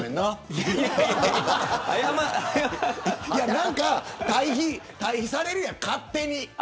何か対比されるやん、勝手に。